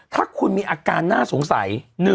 ถ้าคุณมีอาการน่าสงสัย